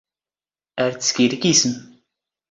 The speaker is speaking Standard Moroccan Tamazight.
ⴰⵔ ⵜⵙⴽⵉⵔⴽⵉⵙⵎ.